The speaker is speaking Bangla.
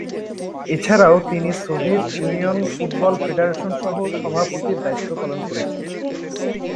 এছাড়াও তিনি সোভিয়েত ইউনিয়ন ফুটবল ফেডারেশনের সহ-সভাপতির দায়িত্ব পালন করেছেন।